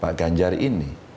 pak ganjar ini